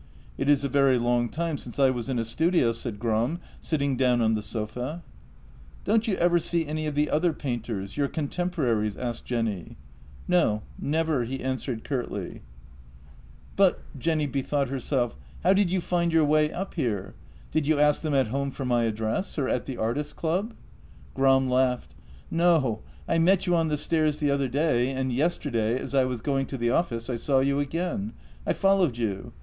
" It is a very long time since I was in a studio," said Gram, sitting down on the sofa. " Don't you ever see any of the other painters — your con temporaries? " asked Jenny. " No, never," he answered curtly. JENNY 134 " But "— Jenny bethought herself —" how did you find your way up here? Did you ask them at home for my address, or at the artists' club ?" Gram laughed. "No; I met you on the stairs the other day, and yesterday, as I was going to the office, I saw you again. I followed you.